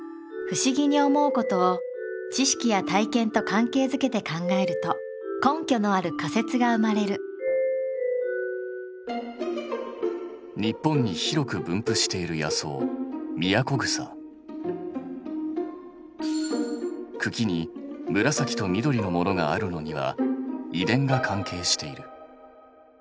不思議に思うことを知識や体験と関係づけて考えると根拠のある仮説が生まれる日本に広く分布している野草茎に紫と緑のものがあるのには遺伝が関係している。